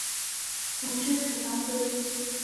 丛枝土当归